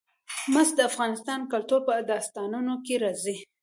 مس د افغان کلتور په داستانونو کې راځي.